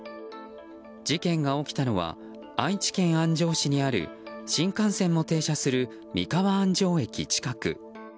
事件が起きたのは愛知県安城市にある新幹線も停車する三河安城駅近く。